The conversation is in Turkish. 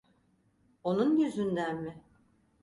Onun yüzünden mi?